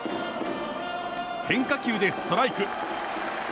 変化球でストライク。